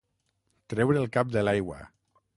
Treure el cap de l'aigua.